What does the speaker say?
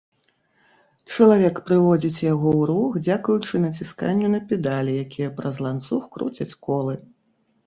Чалавек прыводзіць яго ў рух дзякуючы націсканню на педалі, якія праз ланцуг круцяць колы.